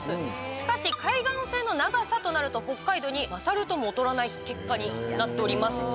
しかし海岸線の長さとなると北海道に勝るとも劣らない結果になっております。